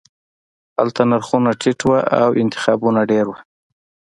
هلته نرخونه ټیټ وو او انتخابونه ډیر وو